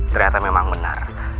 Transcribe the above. ternyata memang benar